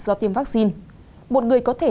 do tiêm vaccine một người có thể